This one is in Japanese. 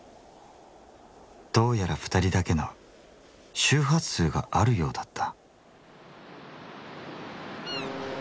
どうやら２人だけの周波数があるようだった。